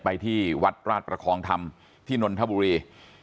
ไปที่วัดราชประคองธรรมที่นนทบุรี